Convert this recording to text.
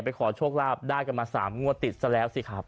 ขอโชคลาภได้กันมา๓งวดติดซะแล้วสิครับ